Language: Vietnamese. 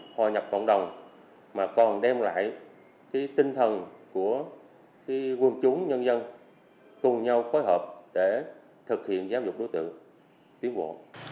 hòa nhập cộng đồng mà còn đem lại tinh thần của quân chúng nhân dân cùng nhau phối hợp để thực hiện giáo dục đối tượng tiến bộ